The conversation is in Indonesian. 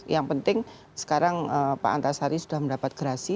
yang penting sekarang pak antasari sudah mendapat gerasi